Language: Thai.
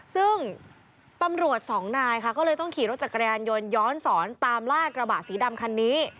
ซึ่งตำรวจสองนายค่ะก็เลยต้องขี่รถจักรยานยนต์ย้อนสอนตามล่ากระบะสีดำคันนี้